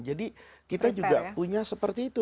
jadi kita juga punya seperti itu